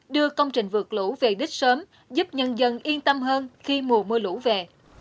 đưa công trình vượt lũ về đích sớm giúp nhân dân yên tâm hơn khi mùa mưa lũ về